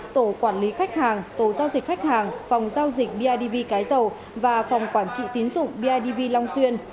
tổ quản lý khách hàng tổ giao dịch khách hàng phòng giao dịch bidv cái dầu và phòng quản trị tín dụng bidv long xuyên